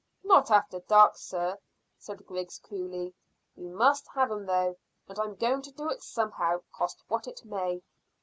"Not after dark, sir," said Griggs coolly. "We must have 'em though, and I'm going to do it somehow, cost what it may."